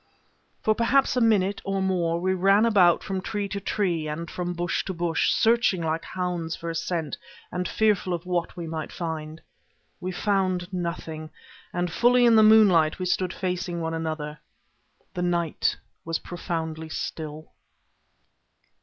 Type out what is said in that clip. For perhaps a minute, or more, we ran about from tree to tree, and from bush to bush, searching like hounds for a scent, and fearful of what we might find. We found nothing; and fully in the moonlight we stood facing one another. The night was profoundly still.